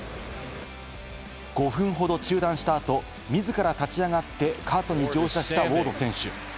５分ほど中断した後、自ら立ち上がって、カートに乗車したウォード選手。